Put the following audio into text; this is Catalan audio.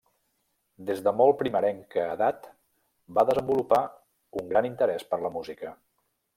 Des de molt primerenca edat va desenvolupar un gran interès per la música.